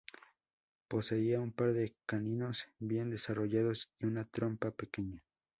Poseía un par de caninos bien desarrollados y una trompa pequeña.